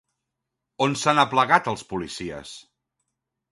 On s'han aplegat els policies?